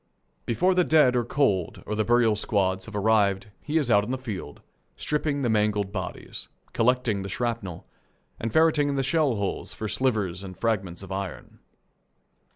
Before the dead are cold or the burial squads have arrived he is out on the field, stripping the mangled bodies, collecting the shrapnel, and ferreting in the shell holes for slivers and fragments of iron.